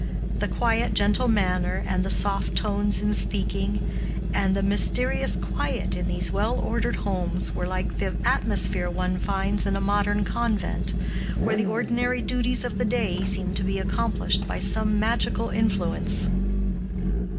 The quiet, gentle manner and the soft tones in speaking, and the mysterious quiet in these well ordered homes were like the atmosphere one finds in a modern convent, where the ordinary duties of the day seem to be accomplished by some magical influence.